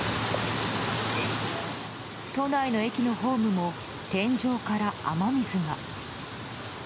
都内の駅のホームも天井から雨水が。